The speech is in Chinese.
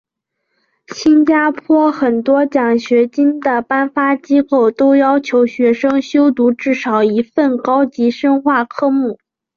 新加坡很多奖学金的颁发机构都要求学生修读至少一份高级深化科目。